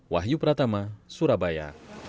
wahyu pratama surabaya